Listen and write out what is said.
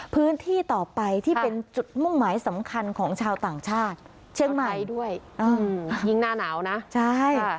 พื้นที่ต่อไปที่เป็นจุดมุ่งหมายสำคัญของชาวต่างชาติเชียงใหม่